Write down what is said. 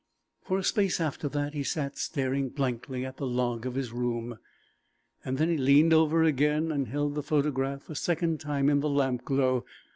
For a space after that he sat staring blankly at the log of his room. Then he leaned over again and held the photograph a second time in the lampglow.